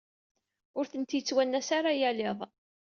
Ur tent-yettwanas ara yal iḍ.